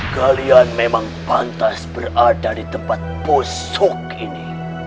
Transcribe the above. kalian memang pantas berada di tempat kosok ini